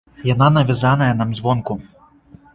Яна навязаная нам звонку.